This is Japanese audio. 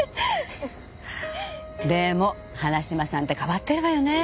でも花島さんって変わってるわよね。